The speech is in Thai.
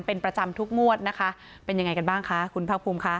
เป็นประจำทุกงวดนะคะเป็นยังไงกันบ้างคะคุณภาคภูมิค่ะ